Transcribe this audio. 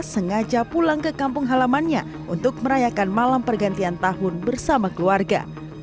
sengaja pulang ke kampung halamannya untuk merayakan malam pergantian tahun bersama keluarga